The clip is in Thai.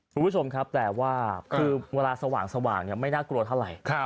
คุณผู้ชมครับแต่ว่าคือเวลาสว่างไม่น่ากลัวเท่าไหร่